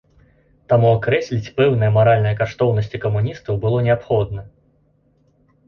Таму акрэсліць пэўныя маральныя каштоўнасці камуністаў было неабходна.